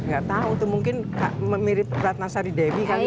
gak tahu tuh mungkin mirip ratna sari dewi kali